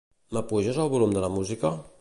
M'apuges el volum de la música?